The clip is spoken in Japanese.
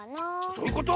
そういうこと？